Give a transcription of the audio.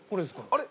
あれ？